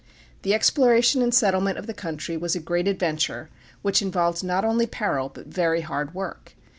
The exploration and settlement of the country was a great adventure, which involved not only peril, but very hard work.